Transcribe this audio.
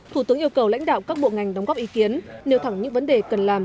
thủ tướng yêu cầu lãnh đạo các bộ ngành đóng góp ý kiến nêu thẳng những vấn đề cần làm